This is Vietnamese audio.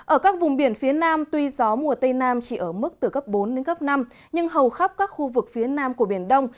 ở các vùng biển phía nam tuy gió mùa tây nam chỉ ở mức từ cấp bốn đến cấp năm nhưng hầu khắp các khu vực phía nam của biển đông